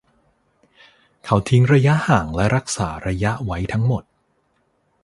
เขาทิ้งระยะห่างและรักษาระยะไว้ทั้งหมด